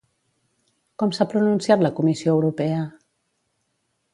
Com s'ha pronunciat la Comissió Europea?